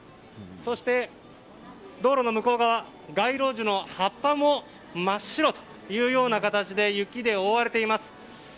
そして、道路の向こう側街路樹の葉っぱも真っ白という形で雪で覆われています。